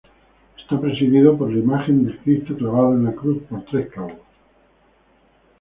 Está presidido por la imagen del Cristo clavado a la cruz por tres clavos.